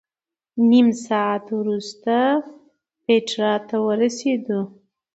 نیم ساعت وروسته پېټرا ته ورسېدو.